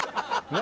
何？